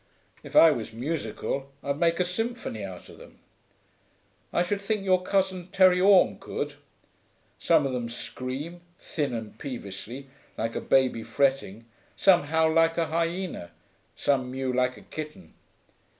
If I was musical I'd make a symphony out of them. I should think your cousin Terry Orme could. Some of them scream, thin and peevishly, like a baby fretting; some howl like a hyena, some mew like a kitten.